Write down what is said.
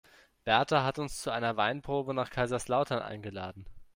Berta hat uns zu einer Weinprobe nach Kaiserslautern eingeladen.